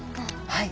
はい。